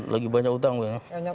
lagi banyak utang ya